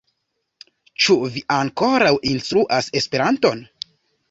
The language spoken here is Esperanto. Ĉu vi ankoraŭ instruas Esperanton?